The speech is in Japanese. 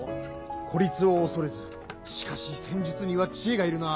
孤立を恐れずしかし戦術には知恵がいるなぁ。